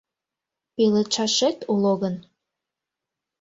Пеледшашет уло гын.